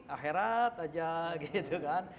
akherat aja gitu kan